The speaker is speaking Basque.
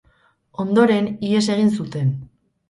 Ondoren, ihes egin zuten.